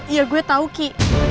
iya gue tau ki